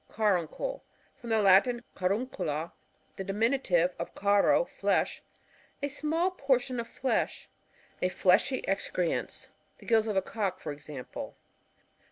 Caruncle. — From the Latin carurt" cula^ the diminutive of caro^ flesh. A small portion of flesh ; a fleshy excrescence ; the gills of a cock, for example.